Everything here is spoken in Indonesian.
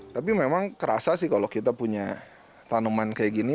tapi memang kerasa sih kalau kita punya tanaman kayak gini